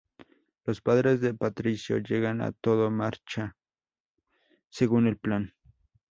Los padres de Patricio llegan y todo marcha, según el plan.